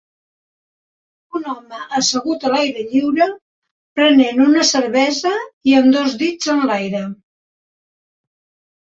Un home assegut a l'aire lliure prenent una cervesa i amb dos dits enlaire.